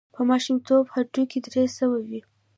په ماشومتوب هډوکي درې سوه وي.